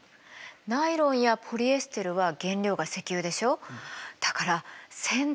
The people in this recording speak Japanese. ナイロンやポリエステルは原料が石油でしょ？